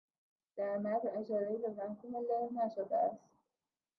در متن، اشارهای به محکوم له نشده است